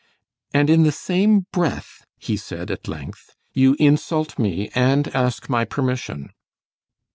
"And in the same breath," he said at length, "you insult me and ask my permission."